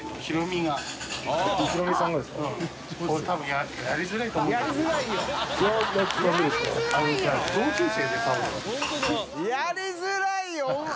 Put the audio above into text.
やりづらいよ。